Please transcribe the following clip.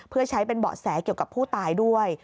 เพื่อใช้เป็นเบาะแสเกี่ยวกับผู้ตายด้วย